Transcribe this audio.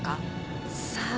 さあ。